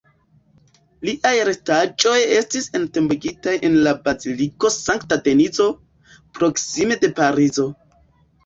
Liaj restaĵoj estis entombigitaj en la baziliko Sankta Denizo, proksime de Parizo.